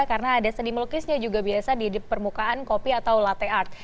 karena ada sedih melukisnya juga biasa di permukaan kopi atau latte art